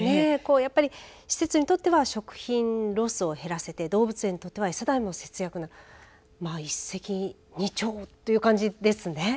やっぱり施設にとっては食品ロスを減らせて動物園にとっては餌代も節約になる一石二鳥という感じですね。